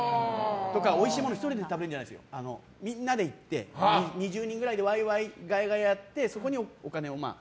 おいしいものを１人で食べるんじゃなくてみんなで行って２０人くらいでワイワイガヤガヤやってそこにお金をまあ。